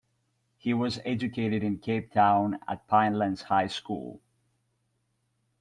He was educated in Cape Town at Pinelands High School.